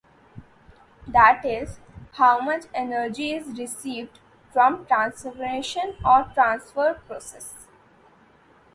That is, how much energy is received from a transformation or transfer process.